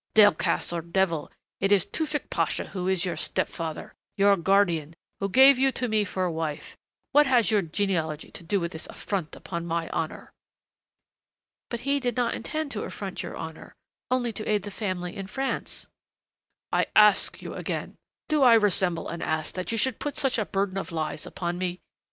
Delcassé or devil, it is Tewfick Pasha who is your step father, your guardian, who gave you to me for wife what has your genealogy to do with this affront upon my honor?" "But he did not intend to affront your honor only to aid the family in France " "I ask you again, do I resemble an ass that you should put such a burden of lies upon me?